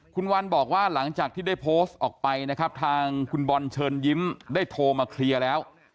คุณวันบอกว่าหลังจากที่ได้โพสต์ออกไปนะครับทางคุณบอลเชิญยิ้มได้โทรมาเคลียร์แล้ว